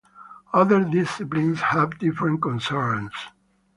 Other disciplines have different concerns.